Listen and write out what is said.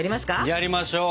やリましょう！